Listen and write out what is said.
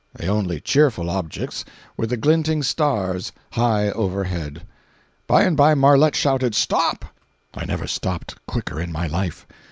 The only cheerful objects were the glinting stars high overhead. By and by Marlette shouted "Stop!" I never stopped quicker in my life.